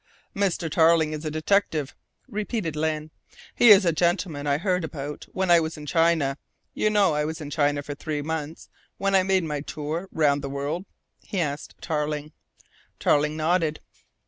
"Mr. Tarling is a detective," repeated Lyne. "He is a gentleman I heard about when I was in China you know I was in China for three months, when I made my tour round the world?" he asked Tarling. Tarling nodded.